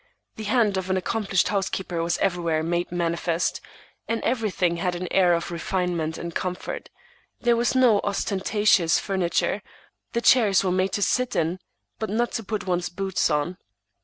The hand of an accomplished housekeeper was everywhere made manifest, and everything had an air of refinement and comfort. There was no ostentatious furniture; the chairs were made to sit in, but not to put one's boots on.